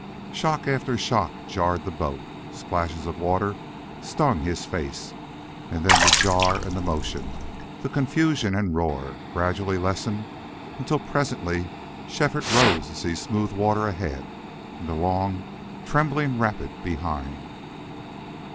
Shock after shock jarred the boat. Splashes of water stung his face. And then the jar and the motion, the confusion and roar, gradually lessened until presently Shefford rose to see smooth water ahead and the long, trembling rapid behind.